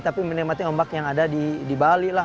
tapi menikmati ombak yang ada di bali lah